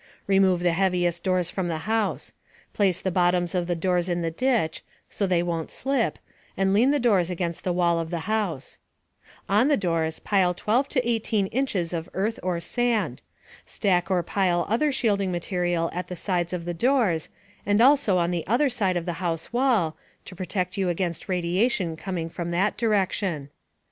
Remove the heaviest doors from the house. Place the bottoms of the doors in the ditch (so they won't slip), and lean the doors against the wall of the house. On the doors, pile 12 to 18 inches of earth or sand. Stack or pile other shielding material at the sides of the doors, and also on the other side of the house wall (to protect you against radiation coming from that direction).